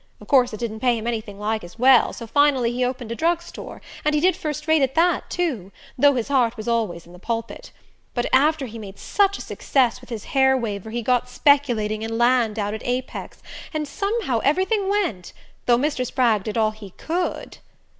Of course it didn't pay him anything like as well, so finally he opened a drug store, and he did first rate at that too, though his heart was always in the pulpit. But after he made such a success with his hair waver he got speculating in land out at Apex, and somehow everything went though Mr. Spragg did all he COULD